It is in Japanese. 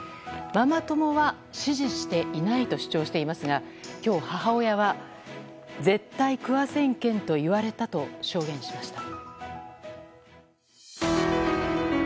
ママ友は指示していないと主張していますが今日、母親は絶対食わせんけんと言われたと証言しました。